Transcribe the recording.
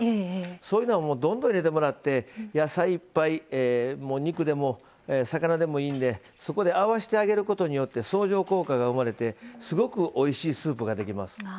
そういうのはどんどん入れてもらって野菜いっぱい肉でも魚でもいいんでそこであわせてあげることによって相乗効果が生まれてすごくおいしいスープができます。